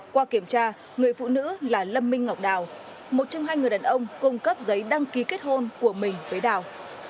qua kiểm tra người phụ nữ là lâm minh ngọc đào một trong hai người đàn ông cung cấp giấy đăng ký kết hôn của mình với đào